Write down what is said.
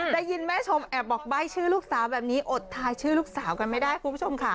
ได้ยินแม่ชมแอบบอกใบ้ชื่อลูกสาวแบบนี้อดทายชื่อลูกสาวกันไม่ได้คุณผู้ชมค่ะ